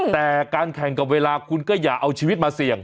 แต่การแข่งกับเวลาคุณก็อย่าเอาชีวิตมาเสี่ยง